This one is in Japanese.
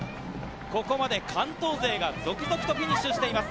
ここまで関東勢が続々とフィニッシュしています。